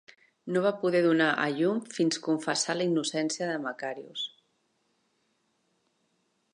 No va poder donar a llum fins confessar la innocència de Macarius.